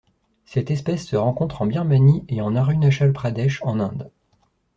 Cette espèce se rencontre en Birmanie et en Arunachal Pradesh en Inde.